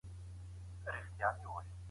د ماسټرۍ برنامه بې اسنادو نه ثبت کیږي.